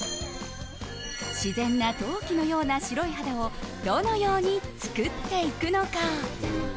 自然の陶器のような白い肌をどのように作っていくのか。